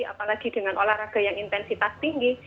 apalagi dengan olahraga yang intensitas tinggi